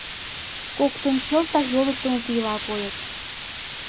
Коктын чылтак йолыштымо пийла койыт.